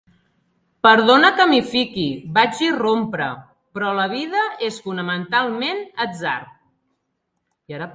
Perdona que m'hi fiqui, vaig irrompre, però la vida és fonamentalment atzar.